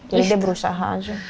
jadi dia berusaha aja